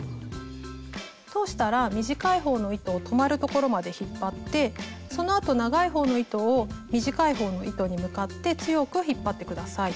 通したら短い方の糸を止まるところまで引っ張ってそのあと長い方の糸を短い方の糸に向かって強く引っ張って下さい。